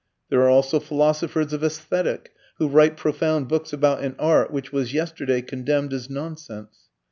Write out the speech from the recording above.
There are also philosophers of aesthetic who write profound books about an art which was yesterday condemned as nonsense.